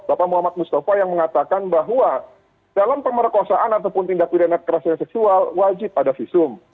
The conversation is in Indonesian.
bapak muhammad mustafa yang mengatakan bahwa dalam pemerkosaan ataupun tindak pidana kerasan seksual wajib ada visum